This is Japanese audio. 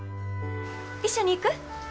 一緒に行く？